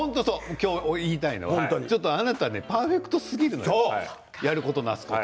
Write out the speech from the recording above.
今日、言いたいのはあなたパーフェクトすぎるのよやることなすこと。